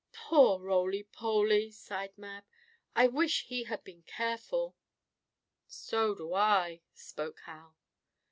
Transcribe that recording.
"Poor Roly Poly!" sighed Mab. "I wish he had been careful." "So do I," spoke Hal.